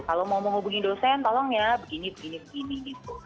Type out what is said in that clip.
kalau mau menghubungi dosen tolong ya begini begini begini gitu